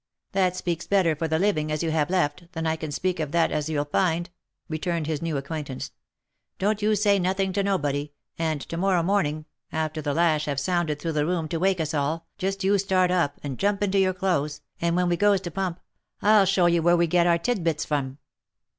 That speaks better for the living as you have left, than I can speak of that as you'll find," returned his new ac quaintance. " Don't you say nothing to nobody, and, to morrow morning, after the lash have sounded through the room to wake us all, just you start up, and jump into your clothes, and when we goes to pump, I'll show you where we gets our tit bits from."